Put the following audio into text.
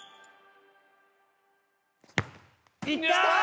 いったー！